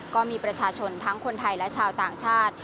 ก็มีประชาชนทั้งคนไทยและชาวต่างชาติ